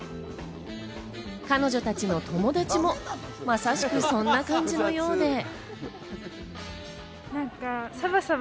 彼女たちの友達もまさしくそんな感じのようで。